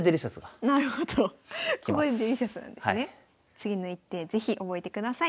次の一手是非覚えてください。